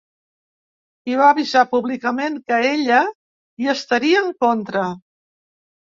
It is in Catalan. I va avisar públicament que ella ‘hi estaria en contra’.